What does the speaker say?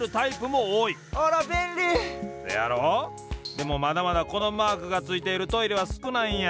でもまだまだこのマークがついているトイレはすくないんや。